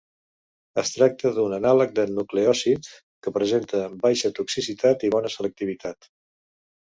Es tracta d'un anàleg de nucleòsid que presenta baixa toxicitat i bona selectivitat.